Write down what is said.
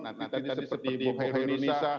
nah tadi tadi seperti buhai indonesia